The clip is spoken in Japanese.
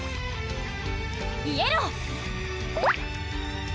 イエロー！